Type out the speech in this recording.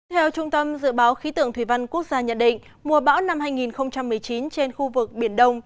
theo trung tâm dự báo khí tượng thủy văn quốc gia nhận định mùa bão năm hai nghìn một mươi chín trên khu vực biển đông